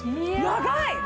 長い！